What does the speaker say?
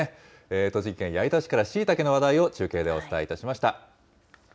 栃木県矢板市からしいたけの話題を中継でお伝えいたしました。